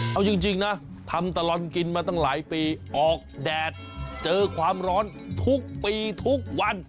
เอาจริงนะทำตลอดกินมาตั้งหลายปีออกแดดเจอความร้อนทุกปีทุกวัน